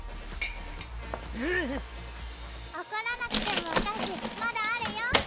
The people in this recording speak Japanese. うん⁉おこらなくてもお菓子まだあるよ